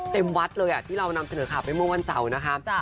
วัดเลยที่เรานำเสนอข่าวไปเมื่อวันเสาร์นะคะ